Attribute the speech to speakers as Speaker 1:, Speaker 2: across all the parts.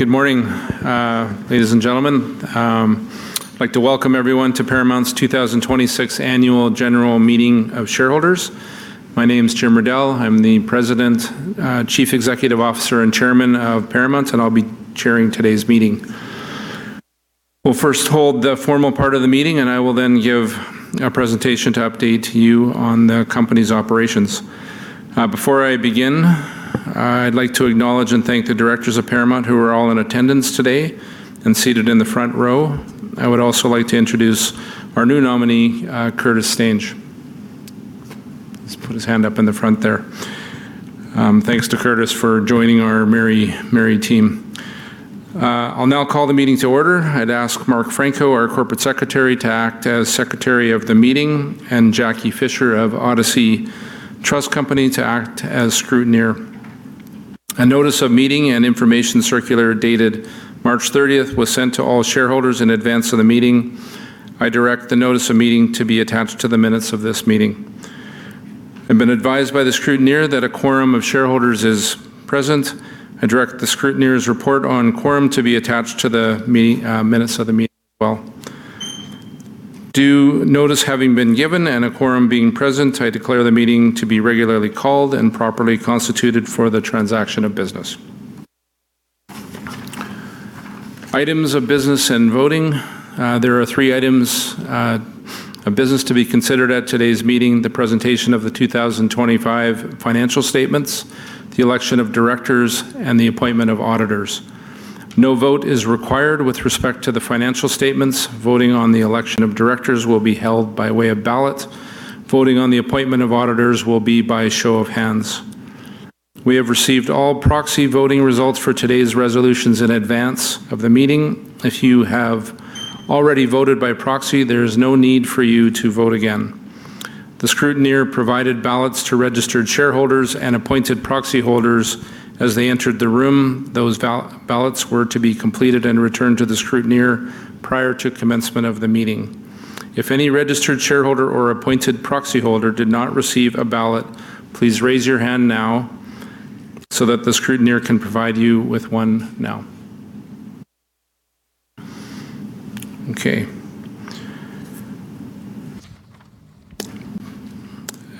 Speaker 1: Good morning, ladies and gentlemen. I'd like to welcome everyone to Paramount's 2026 annual general meeting of shareholders. My name's Jim Riddell. I'm the President, Chief Executive Officer, and Chairman of Paramount, and I'll be chairing today's meeting. We'll first hold the formal part of the meeting, and I will then give a presentation to update you on the company's operations. Before I begin, I'd like to acknowledge and thank the Directors of Paramount who are all in attendance today and seated in the front row. I would also like to introduce our new nominee, Curtis Stange. He's put his hand up in the front there. Thanks to Curtis for joining our merry team. I'll now call the meeting to order. I'd ask Mark Franko, our Corporate Secretary, to act as secretary of the meeting and Jackie Fisher of Odyssey Trust Company to act as scrutineer. A notice of meeting and information circular dated March 30th was sent to all shareholders in advance of the meeting. I direct the notice of meeting to be attached to the minutes of this meeting. I've been advised by the scrutineer that a quorum of shareholders is present. I direct the scrutineer's report on quorum to be attached to the meeting, minutes of the meeting as well. Due notice having been given and a quorum being present, I declare the meeting to be regularly called and properly constituted for the transaction of business. Items of business and voting. There are three items of business to be considered at today's meeting, the presentation of the 2025 financial statements, the election of Directors, and the appointment of Auditors. No vote is required with respect to the financial statements. Voting on the election of Directors will be held by way of ballot. Voting on the appointment of auditors will be by show of hands. We have received all proxy voting results for today's resolutions in advance of the meeting. If you have already voted by proxy, there is no need for you to vote again. The scrutineer provided ballots to registered shareholders and appointed proxy holders as they entered the room. Those ballots were to be completed and returned to the scrutineer prior to commencement of the meeting. If any registered shareholder or appointed proxy holder did not receive a ballot, please raise your hand now so that the scrutineer can provide you with one now.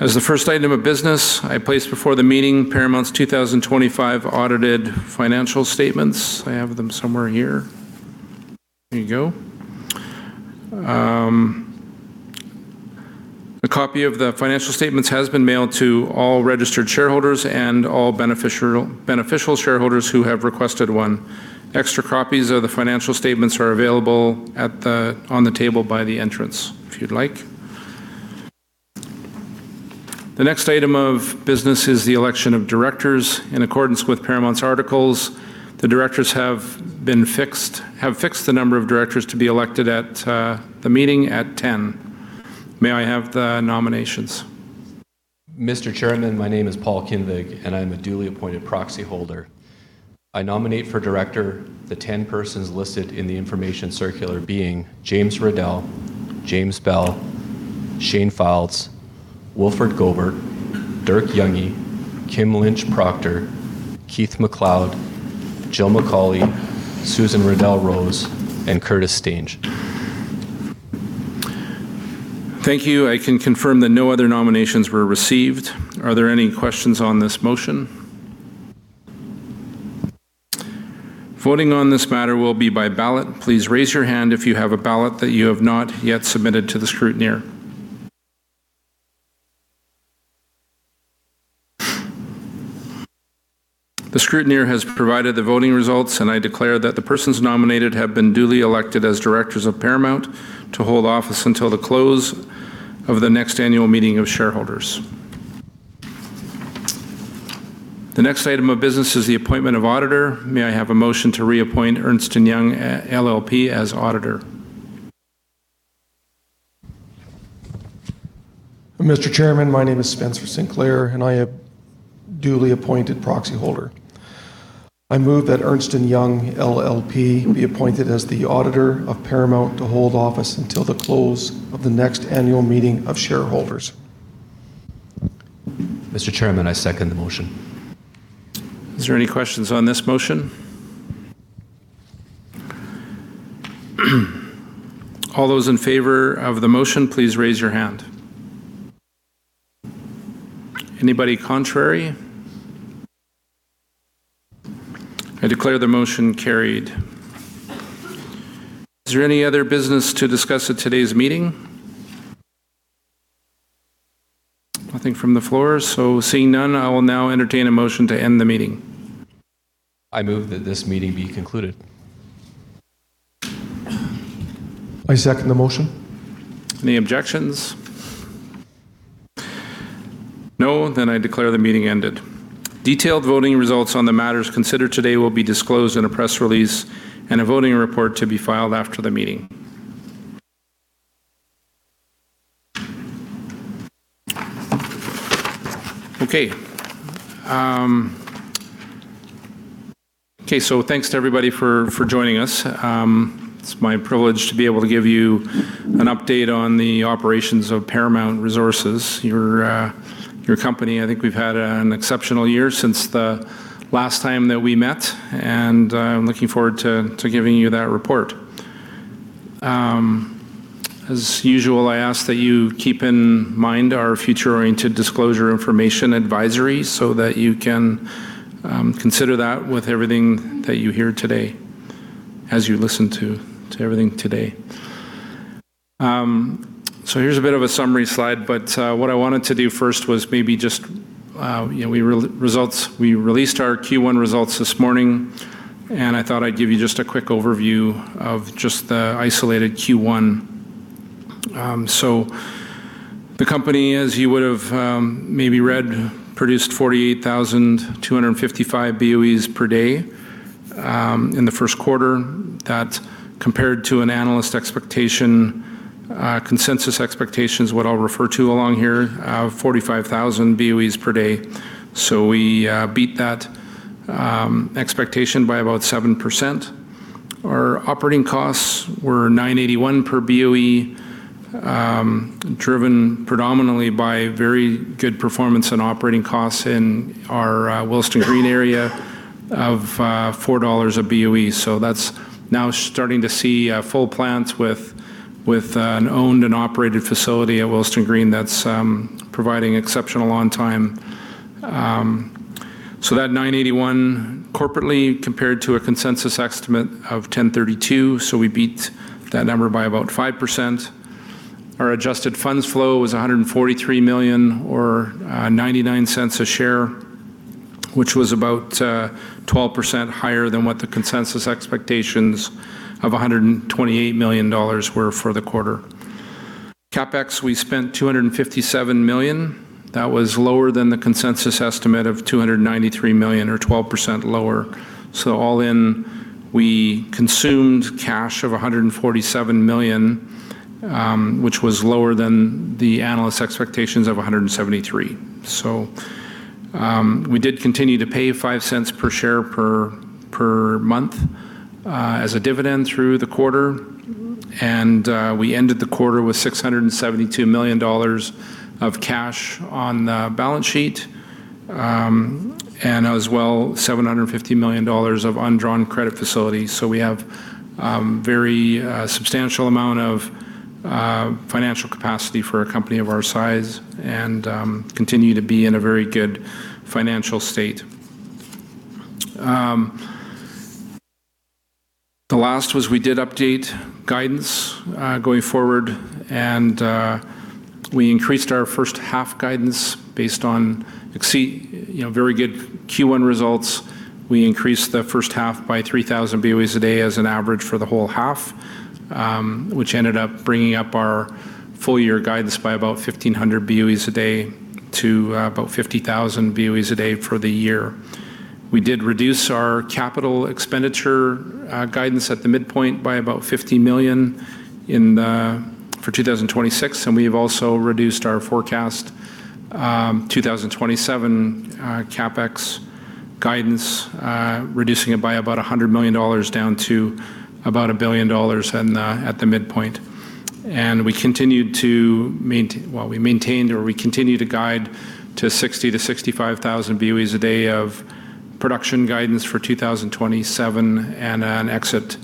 Speaker 1: Okay. As the first item of business, I place before the meeting Paramount's 2025 audited financial statements. I have them somewhere here. There you go. A copy of the financial statements has been mailed to all registered shareholders and all beneficial shareholders who have requested one. Extra copies of the financial statements are available on the table by the entrance if you'd like. The next item of business is the election of directors. In accordance with Paramount's articles, the directors have fixed the number of Directors to be elected at the meeting at 10. May I have the nominations?
Speaker 2: Mr. Chairman, my name is Paul Kinvig, and I'm a duly appointed Proxy Holder. I nominate for director the 10 persons listed in the information circular being James Riddell, James Bell, Shane Fildes, Wilfred Gobert, Dirk Jungé, Kim Lynch Proctor, Keith MacLeod, Jill McAuley, Susan Riddell Rose, and Curtis Stange.
Speaker 1: Thank you. I can confirm that no other nominations were received. Are there any questions on this motion? Voting on this matter will be by ballot. Please raise your hand if you have a ballot that you have not yet submitted to the scrutineer. The scrutineer has provided the voting results, and I declare that the persons nominated have been duly elected as Directors of Paramount to hold office until the close of the next Annual Meeting of shareholders. The next item of business is the appointment of Auditor. May I have a motion to reappoint Ernst & Young LLP as auditor?
Speaker 3: Mr. Chairman, my name is Spencer Sinclair, and I am duly appointed Proxy Holder. I move that Ernst & Young LLP be appointed as the auditor of Paramount to hold office until the close of the next Annual Meeting of shareholders.
Speaker 2: Mr. Chairman, I second the motion.
Speaker 1: Is there any questions on this motion? All those in favor of the motion, please raise your hand. Anybody contrary? I declare the motion carried. Is there any other business to discuss at today's meeting? Nothing from the floor. Seeing none, I will now entertain a motion to end the meeting.
Speaker 2: I move that this meeting be concluded.
Speaker 3: I second the motion.
Speaker 1: Any objections? No? I declare the meeting ended. Detailed voting results on the matters considered today will be disclosed in a press release and a voting report to be filed after the meeting. Okay. Okay, thanks to everybody for joining us. It's my privilege to be able to give you an update on the operations of Paramount Resources, your company. I think we've had an exceptional year since the last time that we met, and I'm looking forward to giving you that report. As usual, I ask that you keep in mind our future-oriented disclosure information advisory so that you can consider that with everything that you hear today as you listen to everything today. Here's a bit of a summary slide. What I wanted to do first was maybe just we released our Q1 results this morning. I thought I'd give you just a quick overview of just the isolated Q1. The company, as you would have maybe read, produced 48,255 Boe/d in the first quarter. That compared to an analyst expectation, consensus expectations, what I'll refer to along here, 45,000 Boe/d. We beat that expectation by about 7%. Our operating costs were 9.81/Boe, driven predominantly by very good performance in operating costs in our Willesden Green area of 4 dollars/Boe. That's now starting to see full plants with an owned and operated facility at Willesden Green that's providing exceptional on time. That 981 corporately compared to a consensus estimate of 1,032, we beat that number by about 5%. Our adjusted funds flow was 143 million or 0.99 a share, which was about 12% higher than what the consensus expectations of 128 million dollars were for the quarter. CapEx, we spent 257 million. That was lower than the consensus estimate of 293 million, or 12% lower. All in, we consumed cash of 147 million, which was lower than the analyst expectations of 173 million. We did continue to pay 0.05 per share per month as a dividend through the quarter. We ended the quarter with 672 million dollars of cash on the balance sheet, and as well, 750 million dollars of undrawn credit facilities. We have very substantial amount of financial capacity for a company of our size and continue to be in a very good financial state. The last was we did update guidance going forward, we increased our first half guidance based on you know, very good Q1 results. We increased the first half by 3,000 Boe/d as an average for the whole half, which ended up bringing up our full year guidance by about 1,500 Boe/d to about 50,000 Boe/d for the year. We did reduce our capital expenditure guidance at the midpoint by about 50 million for 2026, and we've also reduced our forecast 2027 CapEx guidance, reducing it by about 100 million dollars down to about 1 billion dollars at the midpoint. We continued to maintain or we continue to guide to 60,000 Boe/d-65,000 Boe/d of production guidance for 2027 and an exit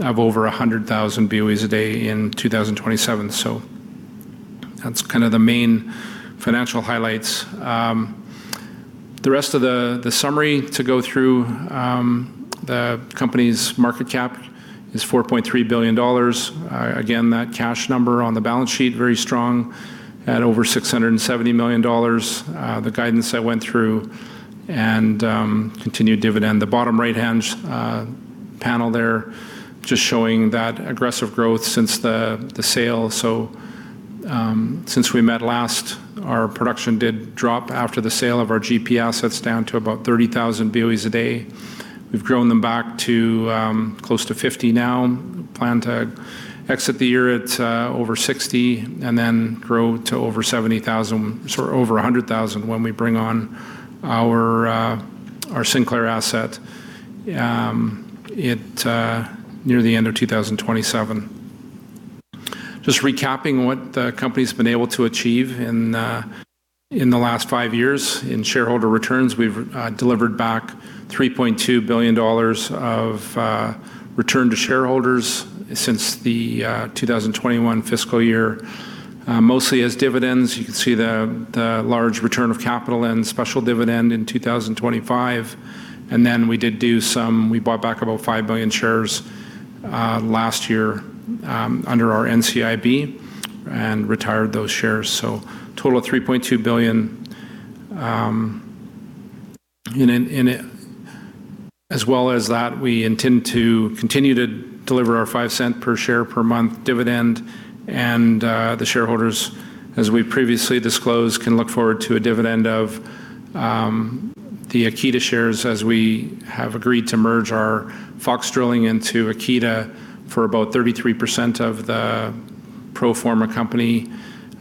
Speaker 1: of over 100,000 Boe/d in 2027. That's kind of the main financial highlights. The rest of the summary to go through, the company's market cap is 4.3 billion dollars. Again, that cash number on the balance sheet, very strong at over 670 million dollars. The guidance I went through and continued dividend. The bottom right-hand panel there just showing that aggressive growth since the sale. Since we met last, our production did drop after the sale of our GP assets down to about 30,000 Boe/d. We've grown them back to close to 50,000 Boe/d now. Plan to exit the year at over 60,000 Boe/d and then grow to over 70,000 Boe/d, sort of over 100,000 Boe/d when we bring on our Sinclair asset near the end of 2027. Just recapping what the company's been able to achieve in the last five years in shareholder returns. We've delivered back 3.2 billion dollars of return to shareholders since the 2021 fiscal year, mostly as dividends. You can see the large return of capital and special dividend in 2025. Then We bought back about 5 billion shares last year under our NCIB and retired those shares. Total of 3.2 billion. As well as that, we intend to continue to deliver our 0.05 per share per month dividend. The shareholders, as we previously disclosed, can look forward to a dividend of the AKITA shares as we have agreed to merge our Fox Drilling into AKITA for about 33% of the pro forma company,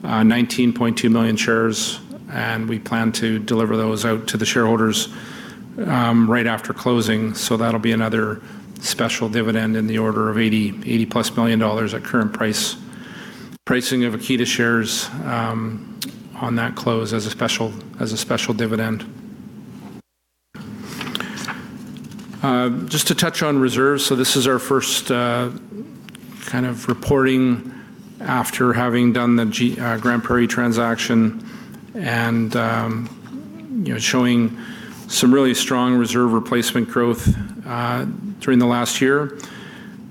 Speaker 1: 19.2 million shares, and we plan to deliver those out to the shareholders right after closing. That'll be another special dividend in the order of 80+ million dollars at current price. Pricing of AKITA shares on that close as a special dividend. Just to touch on reserves. This is our first kind of reporting after having done the Grande Prairie transaction and, you know, showing some really strong reserve replacement growth during the last year.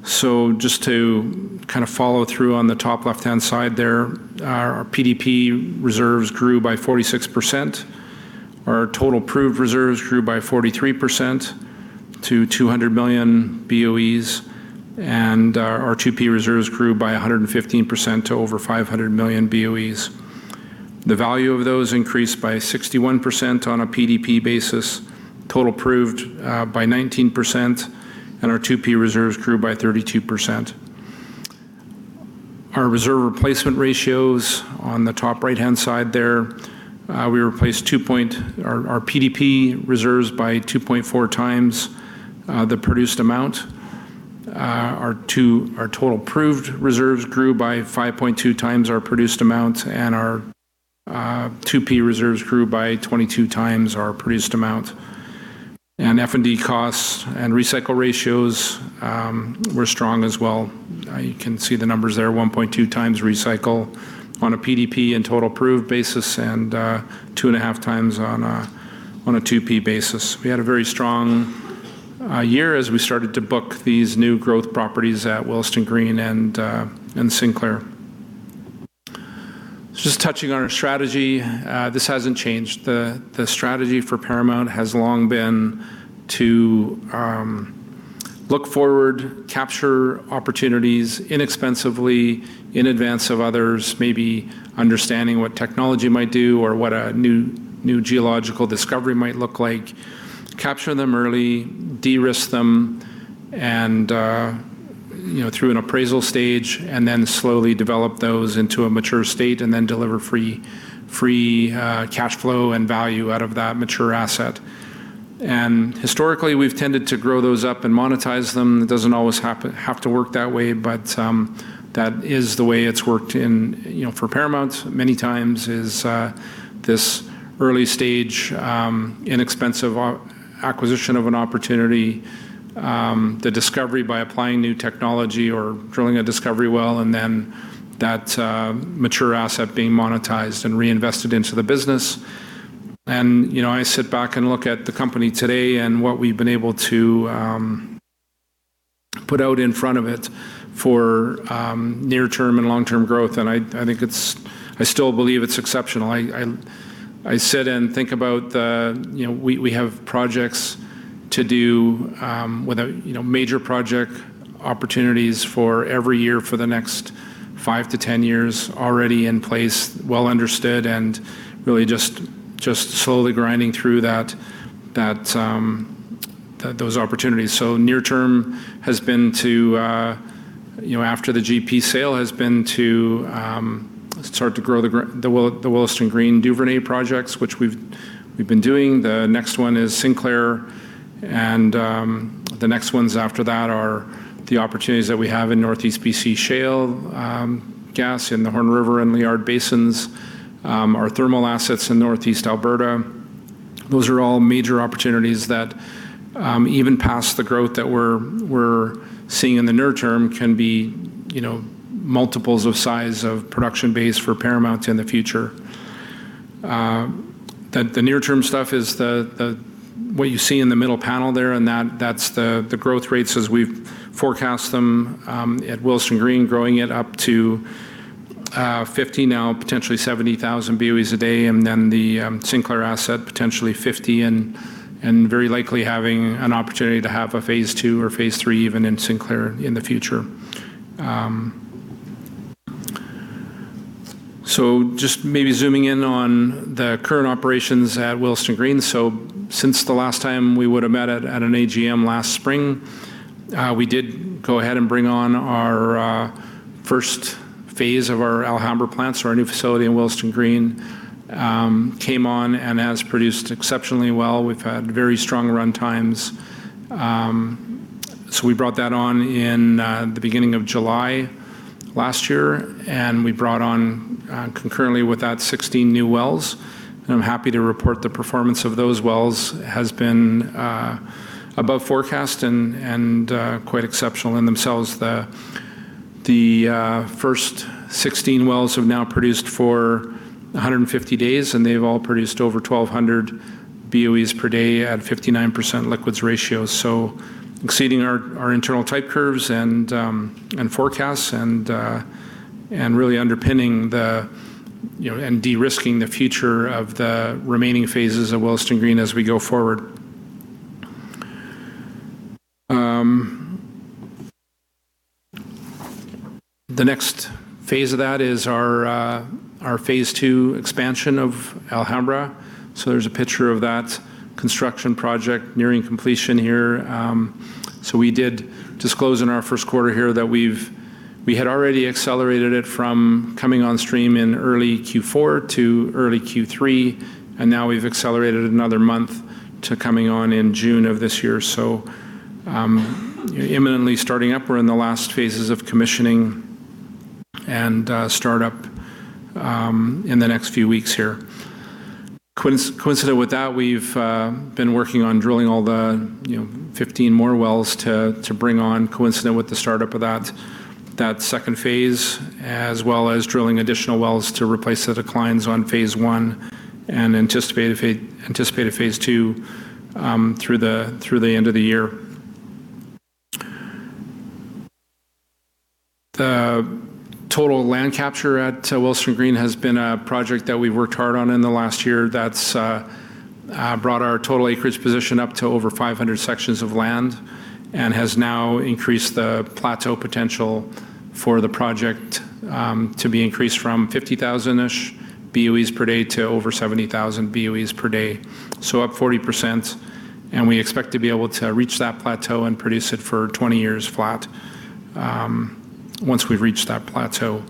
Speaker 1: Just to kind of follow through on the top left-hand side there, our PDP reserves grew by 46%. Our total proved reserves grew by 43% to 200 million Boes, and our 2P reserves grew by 115% to over 500 million Boes. The value of those increased by 61% on a PDP basis, total proved by 19%, and our 2P reserves grew by 32%. Our reserve replacement ratios on the top right-hand side there, we replaced our PDP reserves by 2.4x the produced amount. Our total proved reserves grew by 5.2x our produced amount, and our 2P reserves grew by 22x our produced amount. F&D costs and recycle ratios were strong as well. You can see the numbers there, 1.2x recycle on a PDP and total proved basis and 2.5x on a 2P basis. We had a very strong year as we started to book these new growth properties at Willesden Green and Sinclair. Just touching on our strategy, this hasn't changed. The strategy for Paramount has long been to look forward, capture opportunities inexpensively in advance of others, maybe understanding what technology might do or what a new geological discovery might look like, capture them early, de-risk them, and, you know, through an appraisal stage, and then slowly develop those into a mature state and then deliver free cash flow and value out of that mature asset. Historically, we've tended to grow those up and monetize them. It doesn't always have to work that way. That is the way it's worked in, you know, for Paramount many times is this early-stage, inexpensive acquisition of an opportunity, the discovery by applying new technology or drilling a discovery well, and then that mature asset being monetized and reinvested into the business. You know, I sit back and look at the company today and what we've been able to put out in front of it for near-term and long-term growth, and I still believe it's exceptional. I sit and think about the you know, we have projects to do, with a, you know, major project opportunities for every year for the next five to 10 years already in place, well understood, and really just slowly grinding through that, those opportunities. Near-term has been to, you know, after the GP sale, has been to start to grow the Willesden Green Duvernay projects, which we've been doing. The next one is Sinclair, and the next ones after that are the opportunities that we have in Northeast BC shale, gas in the Horn River and Liard Basins, our thermal assets in Northeast Alberta. Those are all major opportunities that, even past the growth that we're seeing in the near term can be, you know, multiples of size of production base for Paramount in the future. The near-term stuff is the what you see in the middle panel there, and that's the growth rates as we've forecast them, at Willesden Green, growing it up to 50,000 Boe/d now, potentially 70,000 Boe/d, and then the Sinclair asset, potentially 50,000 Boe/d and very likely having an opportunity to have a Phase 2 or Phase 3 even in Sinclair in the future. Just maybe zooming in on the current operations at Willesden Green. Since the last time we would have met at an AGM last spring, we did go ahead and bring on our first phase of our Alhambra plant. Our new facility in Willesden Green came on and has produced exceptionally well. We've had very strong run times. We brought that on in the beginning of July last year, and we brought on concurrently with that 16 new wells. I'm happy to report the performance of those wells has been above forecast and quite exceptional in themselves. The first 16 wells have now produced for 150 days, and they've all produced over 1,200 Boe/d at 59% liquids ratio. Exceeding our internal type curves and forecasts and really underpinning the, you know, and de-risking the future of the remaining phases of Willesden Green as we go forward. The next phase of that is our Phase 2 expansion of Alhambra. There's a picture of that construction project nearing completion here. We did disclose in our first quarter here that we had already accelerated it from coming on stream in early Q4 to early Q3, and now we've accelerated another month to coming on in June of this year. Imminently starting up, we're in the last phases of commissioning and start up in the next few weeks here. Coincident with that, we've been working on drilling all the, you know, 15 more wells to bring on coincident with the startup of that second phase, as well as drilling additional wells to replace the declines on phase one and anticipated phase two through the end of the year. The total land capture at Willesden Green has been a project that we've worked hard on in the last year that's brought our total acreage position up to over 500 sections of land and has now increased the plateau potential for the project to be increased from 50,000-ish Boe/d to over 70,000 Boe/d. Up 40%, and we expect to be able to reach that plateau and produce it for 20 years flat once we've reached that plateau.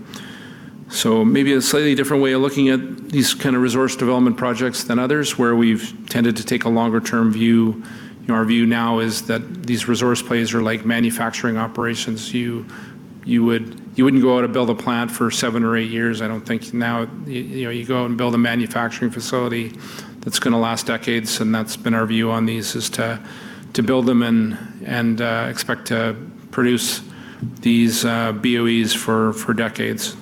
Speaker 1: Maybe a slightly different way of looking at these kind of resource development projects than others, where we've tended to take a longer-term view. You know, our view now is that these resource plays are like manufacturing operations. You wouldn't go out and build a plant for seven or eight years, I don't think. Now, you know, you go out and build a manufacturing facility that's gonna last decades, and that's been our view on these, is to build them and expect to produce these Boes for decades.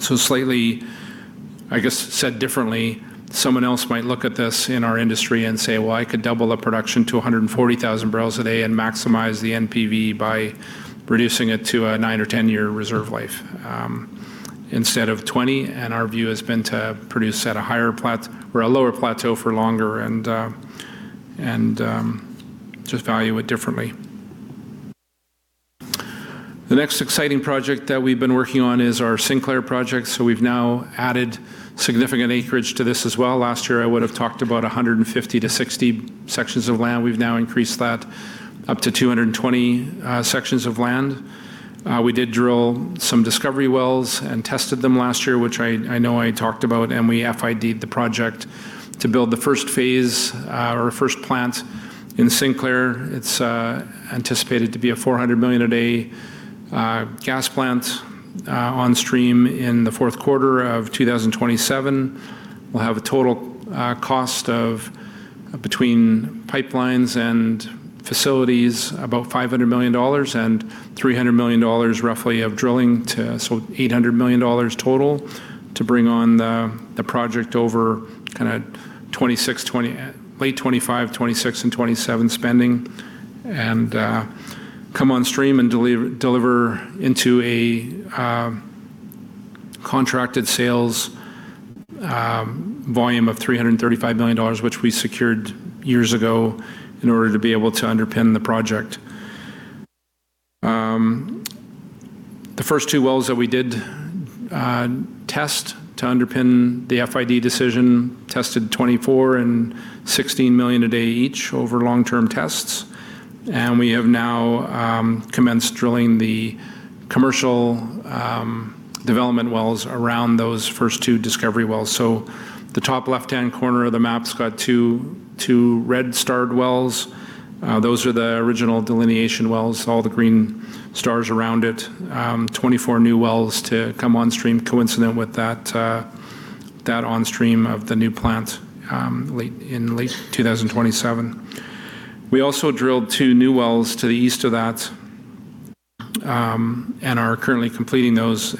Speaker 1: Slightly, I guess said differently, someone else might look at this in our industry and say, Well, I could double the production to 140,000 bpd and maximize the NPV by reducing it to a nine or 10-year reserve life, instead of 20. And our view has been to produce at a higher or a lower plateau for longer and, just value it differently. The next exciting project that we've been working on is our Sinclair project. We've now added significant acreage to this as well. Last year, I would have talked about 150 to 160 sections of land. We've now increased that up to 220 sections of land. We did drill some discovery wells and tested them last year, which I know I talked about, and we FID the project to build the first phase or first plant in Sinclair. It's anticipated to be a 400 million a day gas plant on stream in the fourth quarter of 2027. We'll have a total cost of between pipelines and facilities, about 500 million dollars and 300 million dollars roughly of drilling. 800 million dollars total to bring on the project over kinda 2026, late 2025, 2026, and 2027 spending and come on stream and deliver into a contracted sales volume of 335 million dollars, which we secured years ago in order to be able to underpin the project. The first two wells that we did test to underpin the FID decision tested 24 and 16 million a day each over long-term tests. We have now commenced drilling the commercial development wells around those first two discovery wells. The top left-hand corner of the map's got two red starred wells. Those are the original delineation wells, all the green stars around it. 24 new wells to come on stream coincident with that on stream of the new plant in late 2027. We also drilled two new wells to the east of that and are currently completing those.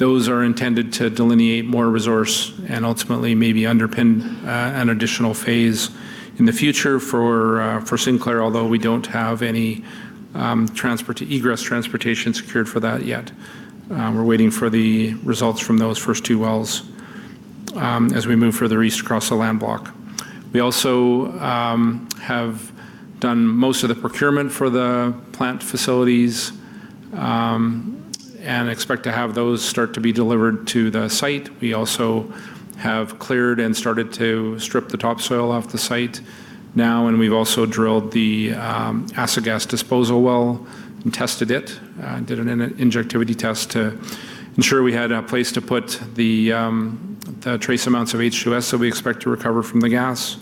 Speaker 1: Those are intended to delineate more resource and ultimately maybe underpin an additional phase in the future for Sinclair, although we don't have any egress transportation secured for that yet. We're waiting for the results from those first two wells, as we move further east across the land block. We also have done most of the procurement for the plant facilities, and expect to have those start to be delivered to the site. We also have cleared and started to strip the topsoil off the site now, and we've also drilled the acid gas disposal well and tested it, did an in-injectivity test to ensure we had a place to put the trace amounts of H2S that we expect to recover from the gas.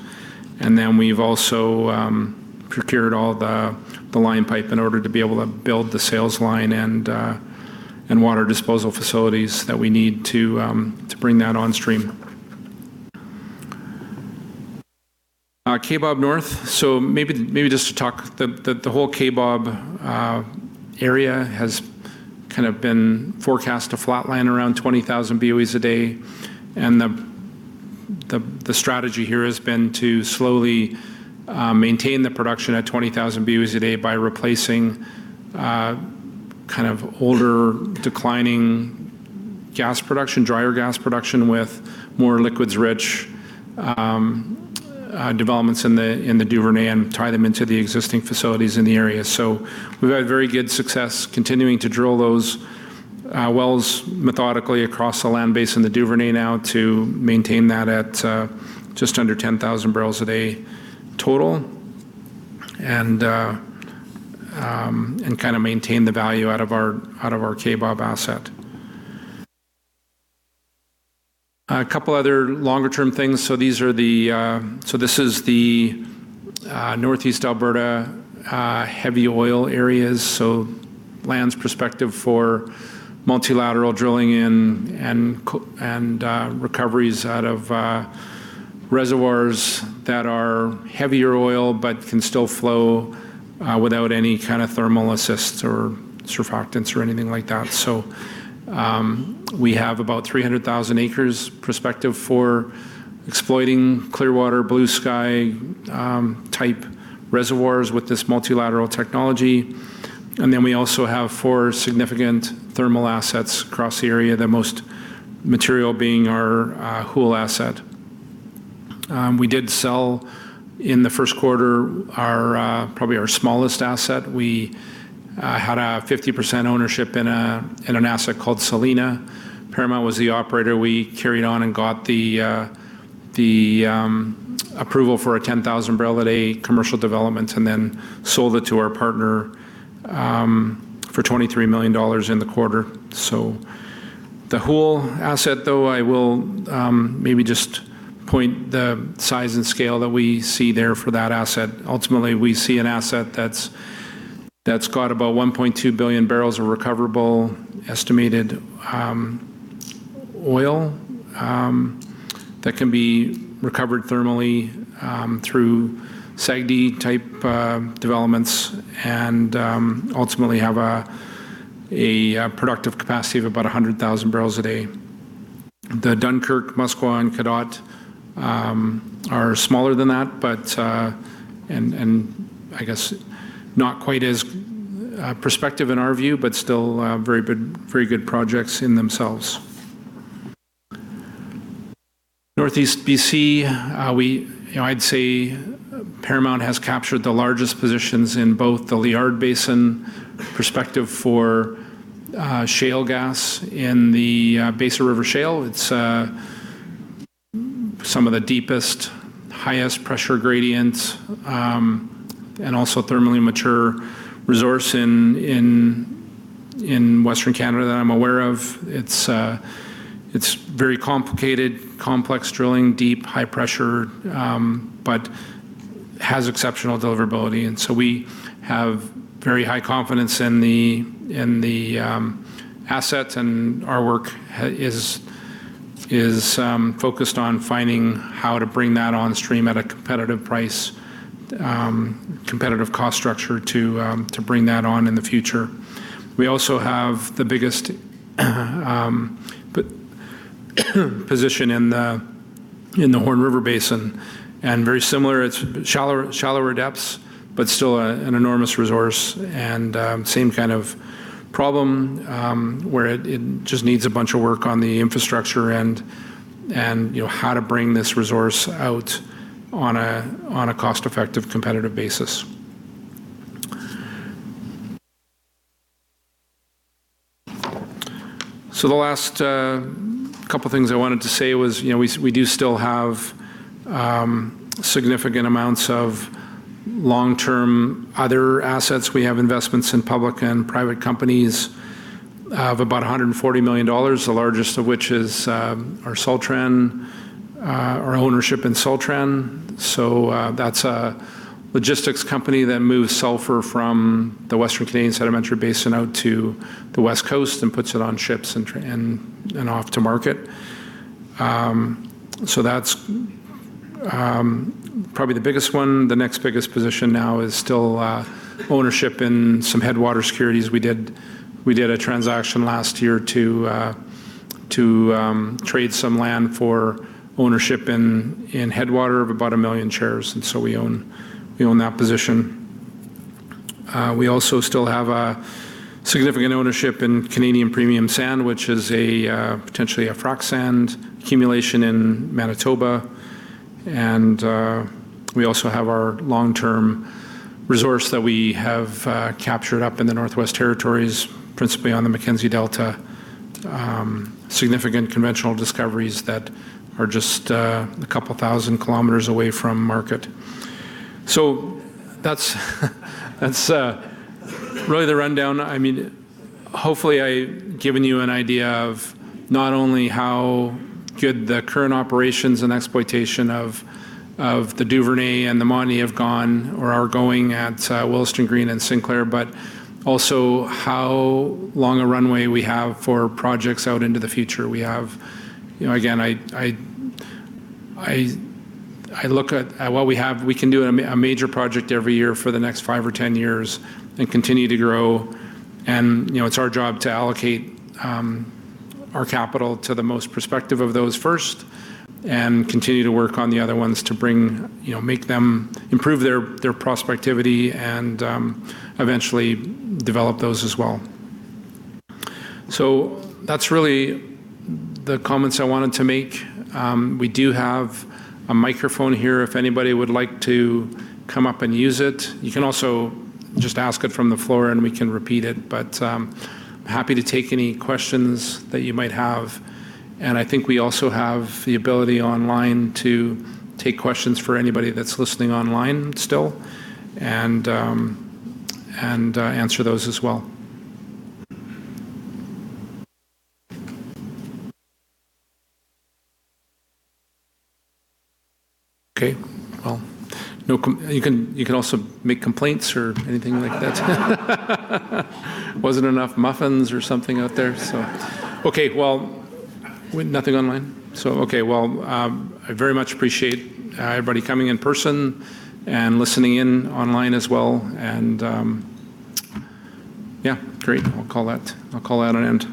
Speaker 1: We've also procured all the line pipe in order to be able to build the sales line and water disposal facilities that we need to bring that on stream. Kaybob North. Maybe, maybe just to talk the whole Kaybob area has kind of been forecast to flatline around 20,000 Boe/d, and the strategy here has been to slowly maintain the production at 20,000 Boe/d by replacing kind of older declining gas production, drier gas production with more liquids rich developments in the Duvernay and tie them into the existing facilities in the area. We've had very good success continuing to drill those wells methodically across the land base in the Duvernay now to maintain that at just under 10,000 barrels a day total and kinda maintain the value out of our out of our Kaybob asset. A couple other longer term things. These are the, so this is the Northeast Alberta heavy oil areas. Lands perspective for multilateral drilling in and recoveries out of reservoirs that are heavier oil, but can still flow without any kind of thermal assists or surfactants or anything like that. We have about 300,000 acres prospective for exploiting Clearwater, Bluesky type reservoirs with this multilateral technology. We also have four significant thermal assets across the area. The most material being our Hoole asset. We did sell in the first quarter our probably our smallest asset. We had a 50% ownership in an asset called Selina. Paramount was the operator. We carried on and got the approval for a 10,000 bpd commercial development and then sold it to our partner for 23 million dollars in the quarter. The Hoole asset, though, I will maybe just point the size and scale that we see there for that asset. Ultimately, we see an asset that's got about 1.2 billion bbl of recoverable estimated oil that can be recovered thermally through SAGD type developments and ultimately have a productive capacity of about 100,000 bpd. The Dunkirk, Musqua, and Cadotte are smaller than that, but and I guess not quite as prospective in our view, but still very good projects in themselves. Northeast B.C., you know, I'd say Paramount has captured the largest positions in both the Liard Basin perspective for shale gas in the Besa River Shale. It's some of the deepest, highest pressure gradients, and also thermally mature resource in Western Canada that I'm aware of. It's very complicated, complex drilling, deep, high pressure, but has exceptional deliverability. We have very high confidence in the assets. Our work is focused on finding how to bring that on stream at a competitive price, competitive cost structure to bring that on in the future. We also have the biggest position in the Horn River Basin, and very similar. It's shallower depths, but still an enormous resource and same kind of problem where it just needs a bunch of work on the infrastructure and you know, how to bring this resource out on a cost-effective, competitive basis. The last couple things I wanted to say was, you know, we do still have significant amounts of long-term other assets. We have investments in public and private companies of about 140 million dollars, the largest of which is our Sultran, our ownership in Sultran. That's a logistics company that moves sulfur from the Western Canadian Sedimentary Basin out to the West Coast and puts it on ships and off to market. That's probably the biggest one. The next biggest position now is still ownership in some Headwater securities. We did a transaction last year to trade some land for ownership in Headwater of about 1 million shares, and so we own that position. We also still have a significant ownership in Canadian Premium Sand, which is a potentially a frac sand accumulation in Manitoba. We also have our long-term resource that we have captured up in the Northwest Territories, principally on the Mackenzie Delta. Significant conventional discoveries that are just a couple thousand kilometers away from market. That's really the rundown. I mean, hopefully I've given you an idea of not only how good the current operations and exploitation of the Duvernay and the Montney have gone or are going at Willesden Green and Sinclair, but also how long a runway we have for projects out into the future. You know, again, I look at what we have. We can do a major project every year for the next five or 10 years and continue to grow. You know, it's our job to allocate our capital to the most prospective of those first and continue to work on the other ones to bring, you know, improve their prospectivity and eventually develop those as well. That's really the comments I wanted to make. We do have a microphone here if anybody would like to come up and use it. You can also just ask it from the floor, and we can repeat it, but happy to take any questions that you might have. I think we also have the ability online to take questions for anybody that's listening online still and answer those as well. Okay. Well, you can also make complaints or anything like that. Wasn't enough muffins or something out there. Okay. Well Nothing online? Okay. Well, I very much appreciate everybody coming in person and listening in online as well. Yeah. Great. I'll call that an end.